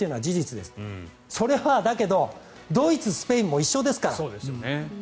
だけど、それはドイツ、スペインも一緒ですから。